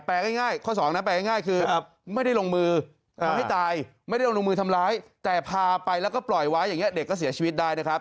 แปลงง่ายข้อ๒แปลงง่ายคือไม่ได้ลงมือทำร้ายแต่พาไปแล้วก็ปล่อยไว้อย่างนี้เด็กก็เสียชีวิตได้นะครับ